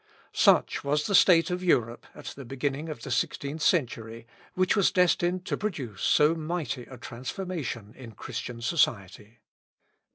Such was the state of Europe at the beginning of the sixteenth century, which was destined to produce so mighty a transformation in Christian society.